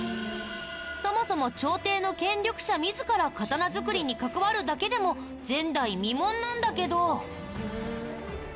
そもそも朝廷の権力者自ら刀作りに関わるだけでも前代未聞なんだけど。